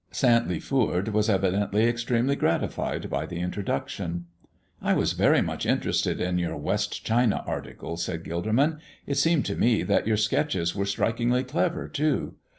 Santley Foord was evidently extremely gratified by the introduction. "I was very much interested in your West China articles," said Gilderman. "It seemed to me that your sketches were strikingly clever, too.